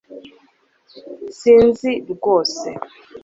sinzi rwose